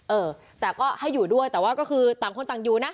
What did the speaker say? เออแต่ก็ให้อยู่ด้วยแต่ว่าก็คือต่างคนต่างอยู่นะ